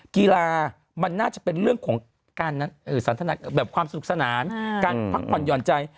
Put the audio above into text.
กีฬามันน่าจะเป็นเรื่องของความสนุกสนานการพักหวันหย่อนใจ